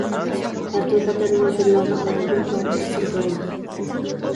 ھەقىقەتەنمۇ ژۇرنالدا ئۇنىڭ بىر پارچە ئەسىرى بار ئىدى.